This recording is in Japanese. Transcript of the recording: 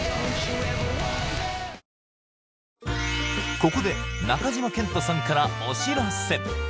ここで中島健人さんからお知らせ